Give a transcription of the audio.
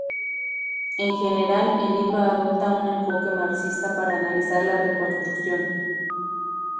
En general, el libro adopta un enfoque marxista para analizar la reconstrucción.